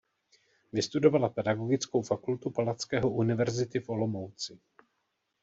Vystudovala Pedagogickou fakultu Palackého univerzity v Olomouci.